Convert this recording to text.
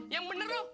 yang bener lu